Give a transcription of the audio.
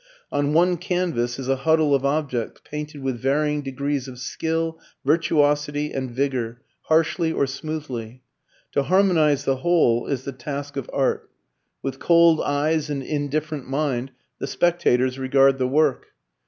On one canvas is a huddle of objects painted with varying degrees of skill, virtuosity and vigour, harshly or smoothly. To harmonize the whole is the task of art. With cold eyes and indifferent mind the spectators regard the work.